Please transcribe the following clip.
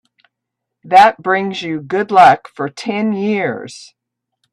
That brings you good luck for ten years.